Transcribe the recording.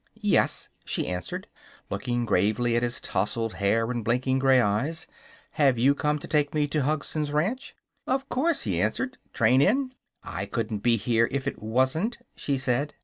"Yes," she answered, looking gravely at his tousled hair and blinking gray eyes. "Have you come to take me to Hugson's Ranch?" "Of course," he answered. "Train in?" "I couldn't be here if it wasn't," she said.